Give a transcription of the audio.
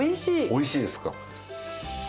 おいしいですか。